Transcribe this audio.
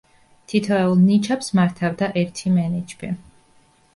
თითოეულ ნიჩაბს მართავდა ერთი მენიჩბე.